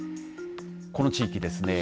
この地域ですね